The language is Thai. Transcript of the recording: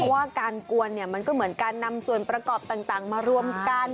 ว่าการกวนเนี่ยมันก็เหมือนการนำส่วนประกอบต่างมารวมกัน